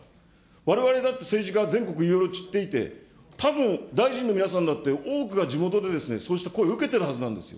われわれだって政治家は全国いろいろ散っていて、たぶん、大臣の皆さんだって、多くは地元でそうした声を受けてるわけなんですよ。